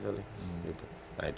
nah itu yang kita